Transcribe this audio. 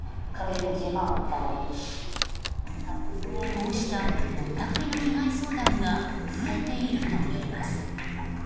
こうした、ぼったくりの被害相談が増えているといいます。